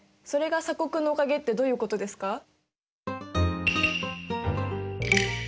それが鎖国のおかげってどういうことですか？